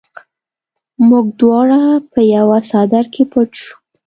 موږ دواړه په یوه څادر کې پټ شوو